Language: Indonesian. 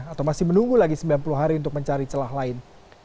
atau masih menunggu lagi sembilan puluh hari untuk mencari celah lain